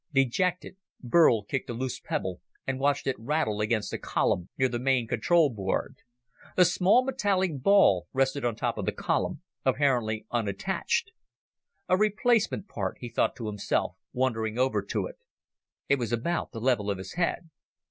Dejected, Burl kicked a loose pebble and watched it rattle against a column near the main control board. A small metallic ball rested on top of the column, apparently unattached. A replacement part, he thought to himself, wandering over to it. It was about the level of his head.